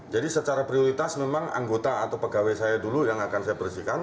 jadi secara prioritas memang anggota atau pegawai saya dulu yang akan saya bersihkan